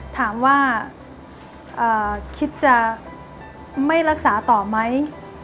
ถามว่าคิดจะไม่รักษาต่อไหม